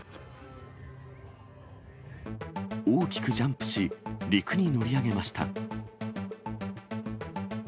大きくジャンプし、陸に乗り上げました。